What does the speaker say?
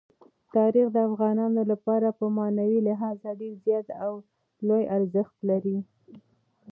تاریخ د افغانانو لپاره په معنوي لحاظ ډېر زیات او لوی ارزښت لري.